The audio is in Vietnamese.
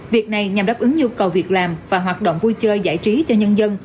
việc này nhằm đáp ứng nhu cầu việc làm và hoạt động vui chơi giải trí cho nhân dân